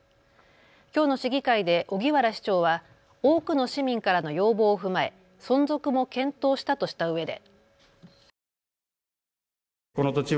きょうの市議会で荻原市長は多くの市民からの要望を踏まえ存続も検討したとしたうえで。